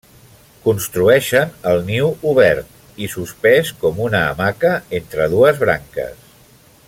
Construeixen el niu obert i suspès com una hamaca entre dues branques.